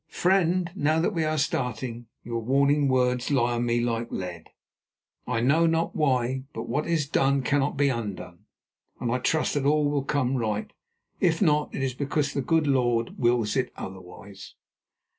Friend, now that we are starting, your warning words lie on me like lead, I know not why. But what is done cannot be undone, and I trust that all will come right. If not, it is because the Good Lord wills it otherwise.